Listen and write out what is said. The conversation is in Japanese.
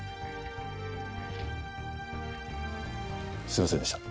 すいませんでした。